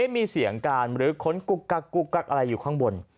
มีเสียงการหรือค้นกุ๊กกักกุ๊กกักอะไรอยู่ข้างบน